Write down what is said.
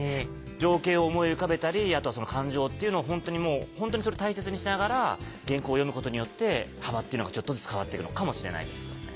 情景を思い浮かべたりあとはその感情っていうのをホントに大切にしながら原稿を読むことによって幅っていうのがちょっとずつ変わってくのかもしれないですよね。